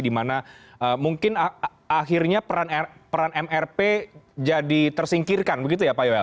dimana mungkin akhirnya peran mrp jadi tersingkirkan begitu ya pak yowel